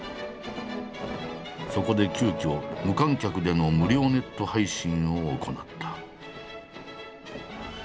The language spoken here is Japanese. そこで急きょ無観客での無料ネット配信を行った。